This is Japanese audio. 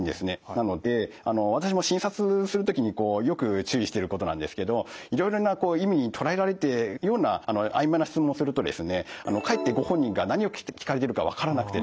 なので私も診察する時によく注意していることなんですけどいろいろな意味に捉えられていくようなあいまいな質問をするとですねかえってご本人が何を聞かれているか分からなくてですね